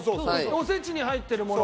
お節に入ってるもの。